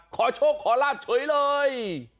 ขอโชคขอลาบเฉยเลย